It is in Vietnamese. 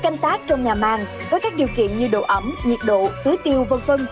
canh tác trong nhà màng với các điều kiện như độ ẩm nhiệt độ tưới tiêu v v